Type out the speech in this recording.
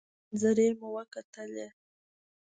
منظرې مو کتلې.